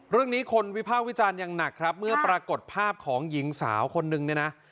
เรื่องนี้คนวิภาควิจารณ์อย่างหนักครับเมื่อปรากฏภาพของหญิงสาวคนนึงเนี่ยนะ